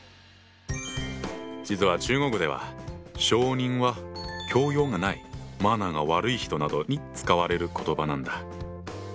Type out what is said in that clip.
実は中国では小人は教養がないマナーが悪い人などに使われる言葉なんだ。